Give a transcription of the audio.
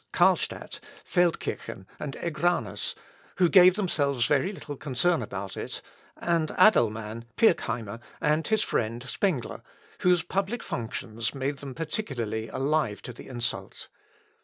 Carlstadt, Feldkirchen, and Egranus, (who gave themselves very little concern about it,) and Adelman, Pirckheimer, and his friend Spengler, whose public functions made them particularly alive to the insult.